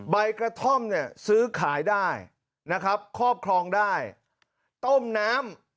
ใบกระท่อมเนี่ยซื้อขายได้นะครับครอบครองได้ต้มน้ำ